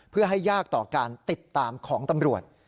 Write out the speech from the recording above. เพื่อให้ยากต่อการติดตามของตำรวจ